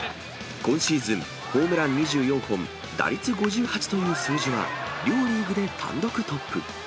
今シーズン、ホームラン２４本、打率５８という数字は、両リーグで単独トップ。